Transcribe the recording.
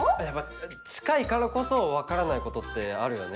ちかいからこそわからないことってあるよね。